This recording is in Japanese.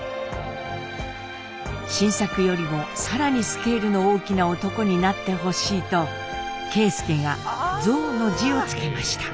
新作よりも更にスケールの大きな男になってほしいと啓介が「造」の字を付けました。